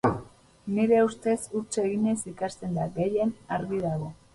Nire ustez huts eginez ikasten da gehien, argi dago.